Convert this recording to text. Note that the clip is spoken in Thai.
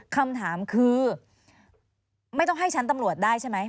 คำถามคือไม่ต้องให้ชั้นตำรวจได้ใช่ไหม